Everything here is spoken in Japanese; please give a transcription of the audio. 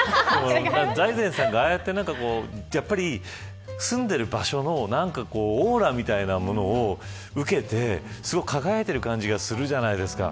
財前さんが、ああやって住んでいる場所のオーラみたいなものを受けて、輝いている感じがするじゃないですか。